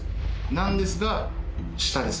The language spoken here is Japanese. なんですが下です。